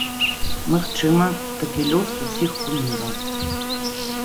Магчыма, такі лёс усіх куміраў.